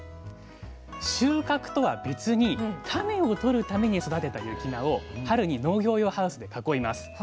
収穫とは別に種をとるために育てた雪菜を春に農業用ハウスで囲います。